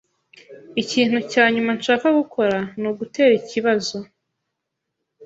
Ikintu cya nyuma nshaka gukora ni ugutera ikibazo.